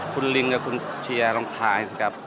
คุณลิงกับคุณเชียร์รองทายสิครับ